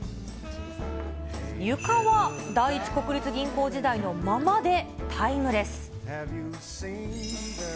床は第一国立銀行時代のままで、タイムレス。